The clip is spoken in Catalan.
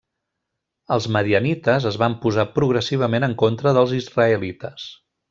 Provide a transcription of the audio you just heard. Els madianites es van posar progressivament en contra dels israelites.